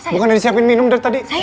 bukan disiapin minum dari tadi